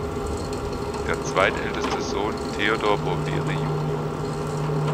Der zweitälteste Sohn Theodor Boveri jun.